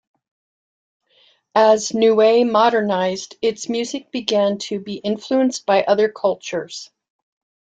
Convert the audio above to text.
As Niue modernized, its music began to be influenced by other cultures.